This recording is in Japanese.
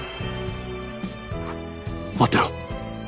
待ってろ。